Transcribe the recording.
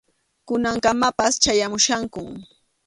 Kunankamapas chayamuchkankum.